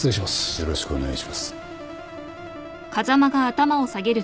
よろしくお願いします。